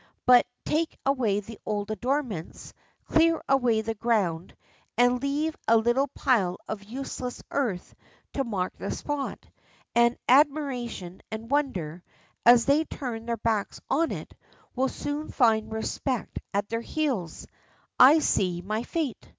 But take away the old adornments, clear away the ground, and leave only a little pile of useless earth to mark the spot, and Admiration and Wonder, as they turn their backs on it, will soon find Respect at their heels I see my fate."